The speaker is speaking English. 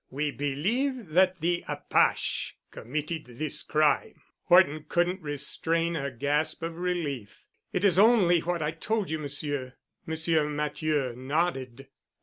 We believe that the apache committed this crime." Horton couldn't restrain a gasp of relief. "It is only what I told you, Monsieur." Monsieur Matthieu nodded.